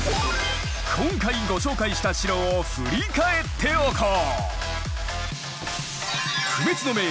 今回ご紹介した城を振り返っておこう。